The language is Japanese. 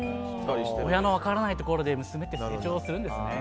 親の分からないところで娘って成長するんですね。